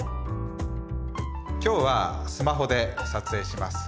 今日はスマホで撮影します。